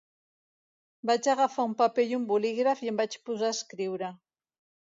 Vaig agafar un paper i un bolígraf i em vaig posar a escriure.